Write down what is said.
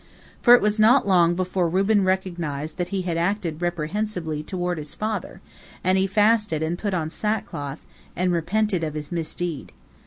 For it was not long before Reuben recognized that he had acted reprehensibly toward his father, and he fasted and put on sackcloth, and repented of his misdeed.